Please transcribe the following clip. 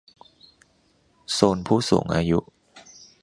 โซนผู้สูงอายุ